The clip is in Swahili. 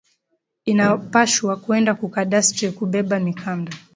Ina pashwa kwenda ku cadastre ku beba mikanda